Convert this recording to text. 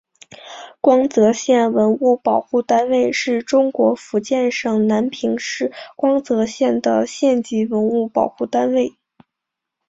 光泽县文物保护单位是中国福建省南平市光泽县的县级文物保护单位。